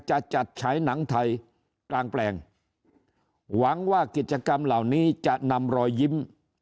จะจัดฉายหนังไทยกลางแปลงหวังว่ากิจกรรมเหล่านี้จะนำรอยยิ้ม